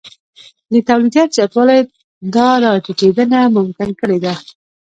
د تولیدیت زیاتوالی دا راټیټېدنه ممکنه کړې ده